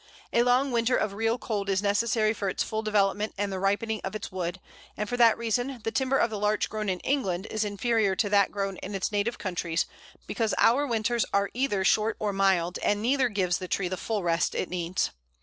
A long winter of real cold is necessary for its full development and the ripening of its wood, and for that reason the timber of Larch grown in England is inferior to that grown in its native countries, because our winters are either short or mild, and neither gives the tree the full rest it needs.